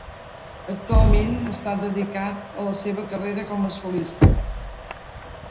Actualment està dedicat a la seva carrera com a solista.